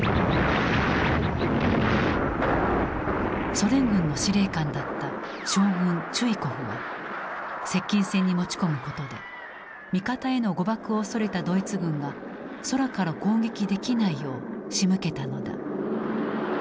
ソ連軍の司令官だった将軍チュイコフは接近戦に持ち込むことで味方への誤爆を恐れたドイツ軍が空から攻撃できないようしむけたのだ。